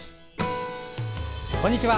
こんにちは。